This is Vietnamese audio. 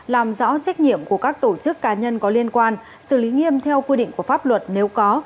làm rõ trách nhiệm của các tổ chức cá nhân có liên quan xử lý nghiêm theo quy định của pháp luật nếu có